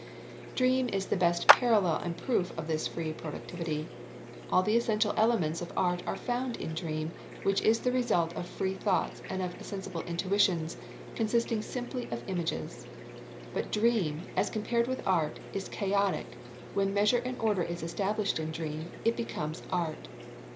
Dream is the best parallel and proof of this free productivity. All the essential elements of art are found in dream, which is the result of free thoughts and of sensible intuitions, consisting simply of images. But dream, as compared with art, is chaotic: when measure and order is established in dream, it becomes art.